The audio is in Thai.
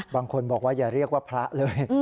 บางคนบอกว่าอย่าเรียกว่าพระเลย